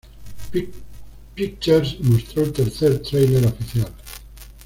Pictures mostró el tercer tráiler oficial.